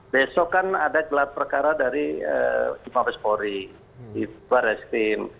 besok kan ada gelap perkara dari timah bespori di bar eskrim